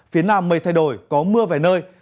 phía nam mây thay đổi có mưa vẻ nơi